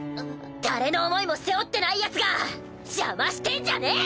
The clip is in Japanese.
誰の思いも背負ってないヤツが邪魔してんじゃねぇ！